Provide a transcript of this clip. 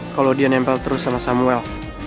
kalau dia nempel terus sama samuel